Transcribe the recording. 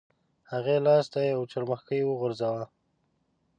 هغې لاس ته یو څرمښکۍ وغورځاوه.